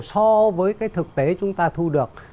so với cái thực tế chúng ta thu được